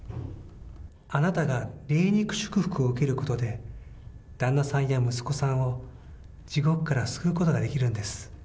あなたが霊肉祝福を受けることで、旦那さんや息子さんを地獄から救うことができるんです。